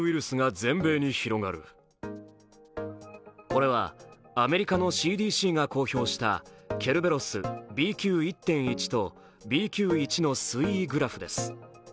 これはアメリカのＣＤＣが公表したケルベロスＢＱ１．１とＢＱ１の推移グラフです。